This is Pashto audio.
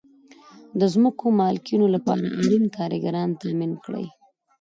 د ځمکو مالکینو لپاره اړین کارګران تامین کړئ.